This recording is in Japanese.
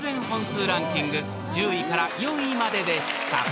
本数ランキング１０位から４位まででした］